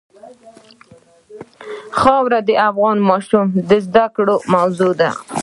خاوره د افغان ماشومانو د زده کړې موضوع ده.